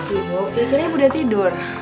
ibu kayaknya udah tidur